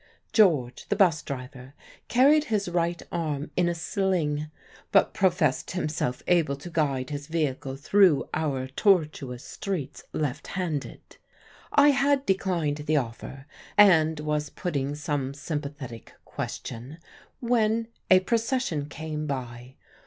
George the 'bus driver carried his right arm in a sling, but professed himself able to guide his vehicle through our tortuous streets left handed. I had declined the offer, and was putting some sympathetic question, when a procession came by.